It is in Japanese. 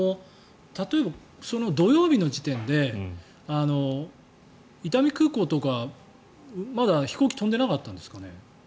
例えば、土曜日の時点で伊丹空港とかまだ飛行機飛んでなかったんですかね。